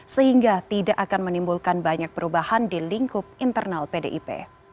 sehingga tidak akan menimbulkan banyak perubahan di lingkup internal pdip